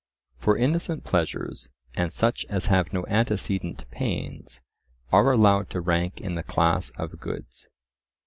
For innocent pleasures, and such as have no antecedent pains, are allowed to rank in the class of goods.